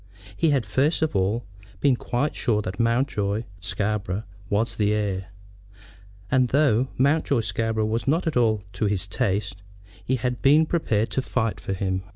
He had, first of all, been quite sure that Mountjoy Scarborough was the heir; and though Mountjoy Scarborough was not at all to his taste, he had been prepared to fight for him.